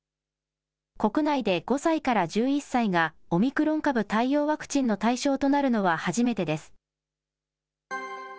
国内で５歳から１１歳がオミクロン株対応ワクチンの対象となるのは初めてです。